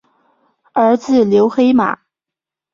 儿子刘黑马。